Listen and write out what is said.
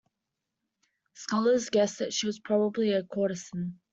Scholars guess that she was probably a courtesan.